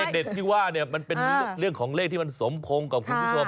เด็ดที่ว่าเนี่ยมันเป็นเรื่องของเลขที่มันสมพงษ์กับคุณผู้ชม